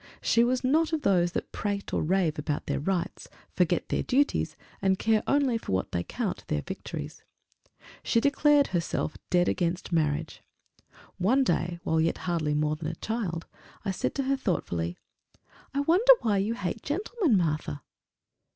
She was not of those that prate or rave about their rights, forget their duties, and care only for what they count their victories. She declared herself dead against marriage. One day, while yet hardly more than a child, I said to her thoughtfully, "I wonder why you hate gentlemen, Martha!"